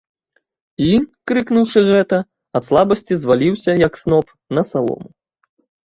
І, крыкнуўшы гэта, ад слабасці зваліўся, як сноп, на салому.